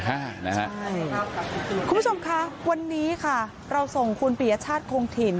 คุณผู้ชมคะวันนี้ค่ะเราส่งคุณปียชาติคงถิ่น